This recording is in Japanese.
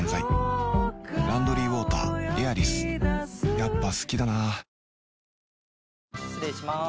やっぱ好きだな失礼します。